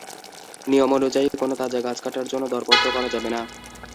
নিয়ম অনুযায়ী কোনো তাজা গাছ কাটার জন্য দরপত্র করা যাবে না।